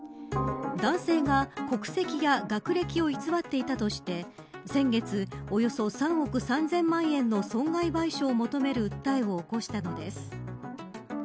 男性が国籍や学歴を偽っていたとして先月、およそ３億３０００万円の損害賠償を求める訴えを起こしたのです。